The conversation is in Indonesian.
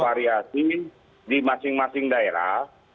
bervariasi di masing masing daerah